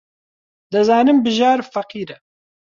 دەزانم بژار فەقیرە.